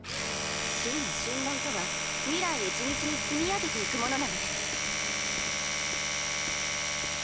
真の信頼とは未来へ地道に積み上げていくものなのです。